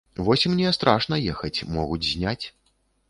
Вось мне страшна ехаць, могуць зняць.